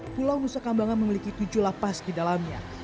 pulau nusa kambangan memiliki tujuh lapas di dalamnya